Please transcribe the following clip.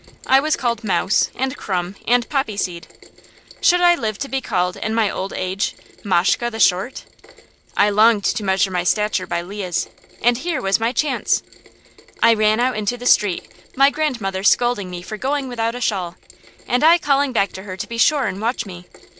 I was called Mouse and Crumb and Poppy Seed. Should I live to be called, in my old age, Mashke the Short? I longed to measure my stature by Leah's, and here was my chance. I ran out into the street, my grandmother scolding me for going without a shawl, and I calling back to her to be sure and watch me.